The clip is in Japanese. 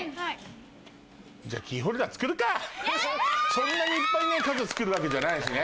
そんなにいっぱい数作るわけじゃないしね。